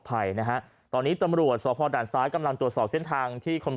อะแล้วที่เขาที่เมื่อกี้น้องพูดบอกว่าเขาจะพยายามข่มขืนเราใช่ไหม